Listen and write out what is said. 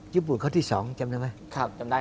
ญี่ปุ่นข้อที่๒จำได้ไหม